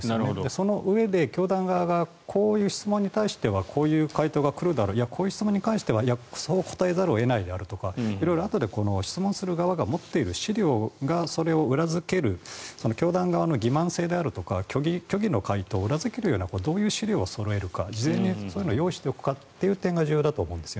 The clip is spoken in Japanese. そのうえで教団側がこういう質問に対してはこういう回答が来るだろういや、こういう質問に関してはこう答えざるを得ないとか質問する側が持っている資料がそれを裏付ける教団側の欺まん性であるとか虚偽の回答を裏付けるようなどういう資料をそろえるか事前にそういうのを用意しておくかが重要だと思います。